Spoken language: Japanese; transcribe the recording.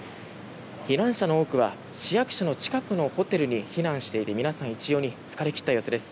避難者の多くは市役所のホテルに避難していて皆さん一様に疲れ切った様子です。